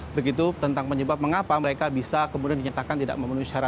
begitu tentang penyebab mengapa mereka bisa kemudian dinyatakan tidak memenuhi syarat